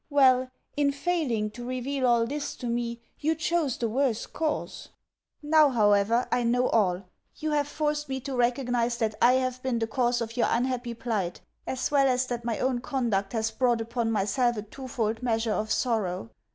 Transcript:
Well, in failing to reveal all this to me you chose the worse course. Now, however, I know all. You have forced me to recognise that I have been the cause of your unhappy plight, as well as that my own conduct has brought upon myself a twofold measure of sorrow.